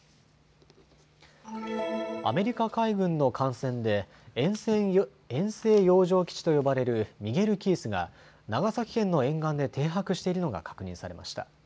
アメリカ海軍の艦船で遠征洋上基地と呼ばれるミゲルキースが長崎県の沿岸で停泊しているのが確認されました。